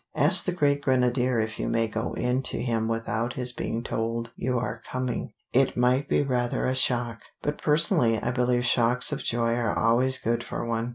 Ask the great grenadier if you may go in to him without his being told you are coming. It might be rather a shock, but personally I believe shocks of joy are always good for one.